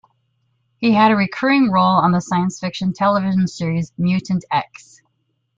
He had a recurring role on the science fiction television series "Mutant X".